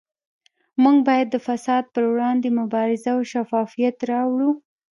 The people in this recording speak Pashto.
موږ باید د فساد پروړاندې مبارزه او شفافیت راوړو